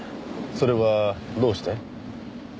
それはどうして？